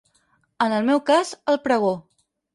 En el meu cas, el pregó.